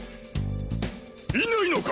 いないのか！